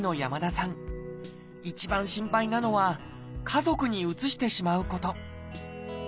一番心配なのは家族にうつしてしまうこと。